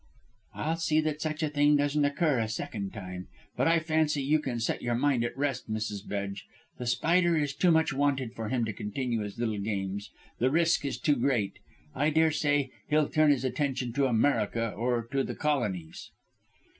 "I'll see that such a thing doesn't occur a second time. But I fancy you can set your mind at rest, Mrs. Bedge. The Spider is too much wanted for him to continue his little games: the risk is too great. I daresay he'll turn his attention to America or to the Colonies."